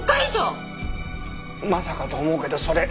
まさかと思うけどそれ。